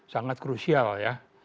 sangat krusial ya